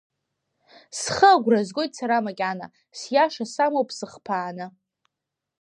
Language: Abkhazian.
Схы агәра згоит сара макьана, сиаша самоуп сыхԥааны.